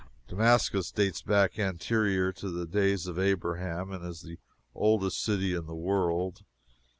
Damascus dates back anterior to the days of Abraham, and is the oldest city in the world.